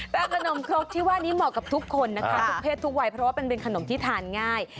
แต่ขนมครกที่ว่านี้เหมาะกับทุกคนนะคะทุกเพศทุกวัยเพราะว่ามันเป็นขนมที่ทานง่าย